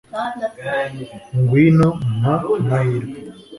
ngwino! mpa amahirwe